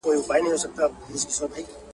له هر ماښامه تر سهاره بس همدا کیسه وه.